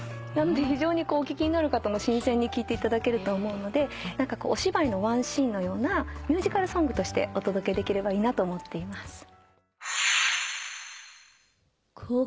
なのでお聴きになる方も新鮮に聴いていただけると思うのでお芝居のワンシーンのようなミュージカルソングとしてお届けできればいいなと思っています。